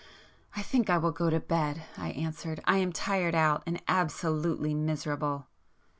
"I think I will go to bed," I answered. "I am tired out,—and absolutely miserable!"